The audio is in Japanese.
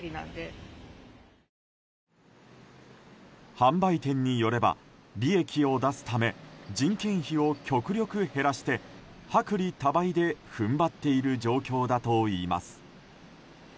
販売店によれば利益を出すため人件費を極力減らして薄利多売で踏ん張っている状況だといいます。